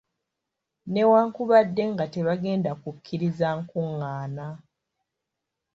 Newankubadde nga tebagenda kukkiriza nkungaana.